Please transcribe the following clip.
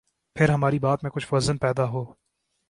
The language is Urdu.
پھر ہماری بات میں کچھ وزن پیدا ہو۔